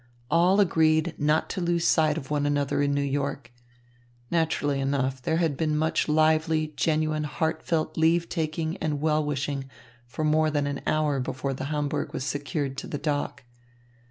All agreed not to lose sight of one another in New York. Naturally enough, there had been much lively, genuinely heartfelt leave taking and well wishing for more than an hour before the Hamburg was secured to the dock.